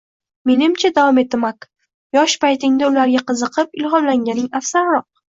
Menimcha, davom etdi Mak, yosh paytingda ularga qiziqib, ilhomlanganing afzalroq